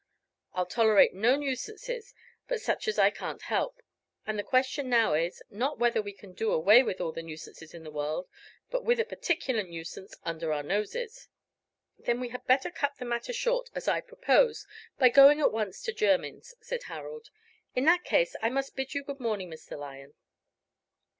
I'll tolerate no nuisances but such as I can't help; and the question now is, not whether we can do away with all the nuisances in the world, but with a particular nuisance under our noses." "Then we had better cut the matter short, as I propose, by going at once to Jermyn's," said Harold. "In that case, I must bid you good morning, Mr. Lyon."